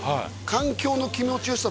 環境の気持ちよさ